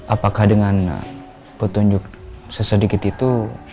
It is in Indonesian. apakah dengan petunjuk sesedikit itu